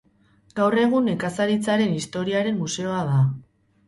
Gaur egun nekazaritzaren historiaren museoa da.